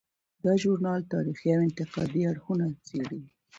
دا ژورنال تاریخي او انتقادي اړخونه څیړي.